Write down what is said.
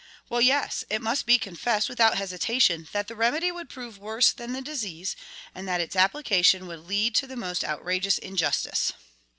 Well, yes; it must be confessed, without hesitation, that the remedy would prove worse than the disease, and that its application would lead to the most outrageous injustice."